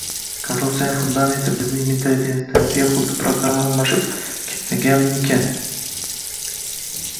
korrupsiyaning fundamenti bizning mentalitetimizga xuddi «programmalashib» ketmaganmikan?